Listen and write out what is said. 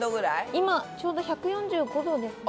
今ちょうど１４５℃ですね。